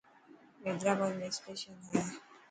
حيدرآباد ۾ اسٽيشن هي.